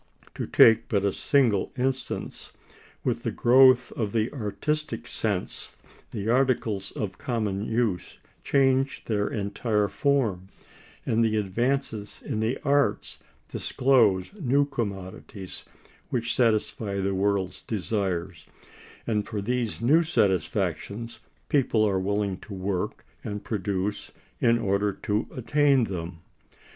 To take but a single instance, with the growth of the artistic sense the articles of common use change their entire form; and the advances in the arts disclose new commodities which satisfy the world's desires, and for these new satisfactions people are willing to work and produce in order to attain them.